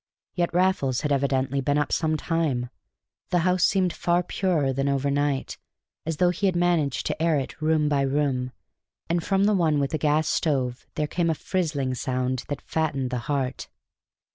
Yet Raffles had evidently been up some time; the house seemed far purer than overnight as though he had managed to air it room by room; and from the one with the gas stove there came a frizzling sound that fattened the heart.